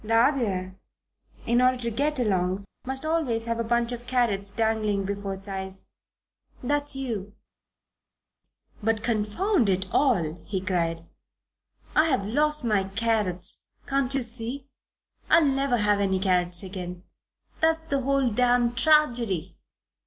The other, in order to get along, must always have a bunch of carrots dangling before its eyes. That's you." "But confound it all!" he cried, "I've lost my carrots can't you see? I'll never have any carrots again. That's the whole damned tragedy."